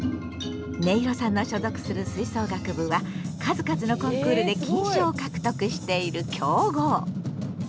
ねいろさんの所属する吹奏楽部は数々のコンクールで金賞を獲得している強豪！